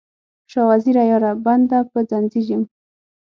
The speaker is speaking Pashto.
شاه وزیره یاره، بنده په ځنځیر یم